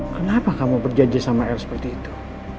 kenapa kamu berjanji sama r seperti itu